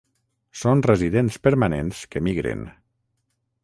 Són residents permanents que migren.